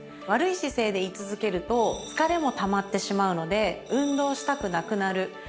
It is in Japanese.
悪い姿勢でい続けると疲れもたまってしまうので運動したくなくなる。